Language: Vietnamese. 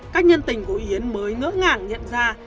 các nhân tình của yến mới ngỡ ngàng nhận ra